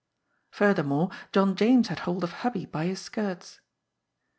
Furthermore, John James had hold of Hubbie by his skirts.